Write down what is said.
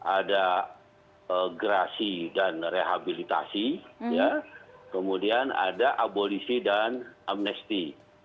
ada gerasi dan rehabilitasi kemudian ada abolisi dan amnesti